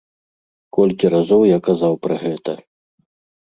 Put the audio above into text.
Колькі разоў я казаў пра гэта.